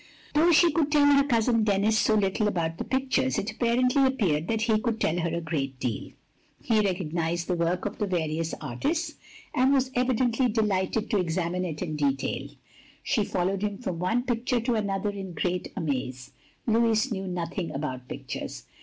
" Though she could tell her cousin Denis so little about the pictures, it presently appeared that he could tell her a great deal. He recognised the work of various artists, and OF GROSVENOR SQUARE 205 was evidently delighted to examine it in detail. She followed him from one picture to another in great amaze. Louis knew nothing about pictures!